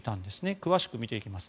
詳しく見ていきます。